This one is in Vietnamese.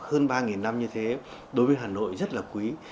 hơn ba năm như thế đối với hà nội rất là quý